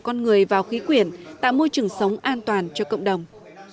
con người vào khí quyển tạo môi trường sống an toàn cho cộng đồng